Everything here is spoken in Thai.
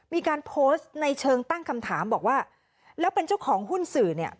มีการโพสต์ในเชิงตั้งคำถามบอกว่าแล้วเป็นเจ้าของหุ้นสื่อเนี่ย